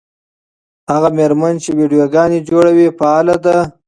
هغه مېرمنه چې ویډیوګانې جوړوي فعاله ده.